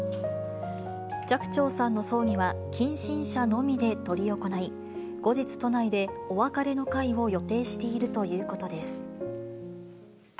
寂聴さんの葬儀は近親者のみで執り行い、後日、都内でお別れの会を予定しているということです。